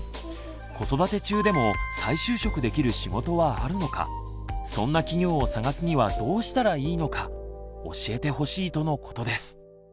子育て中でも再就職できる仕事はあるのかそんな企業を探すにはどうしたらいいのか教えてほしいとのことです。